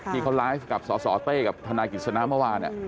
ที่เขาไลฟ์กับสสเต้กับธนายกิจสนะเมื่อวาน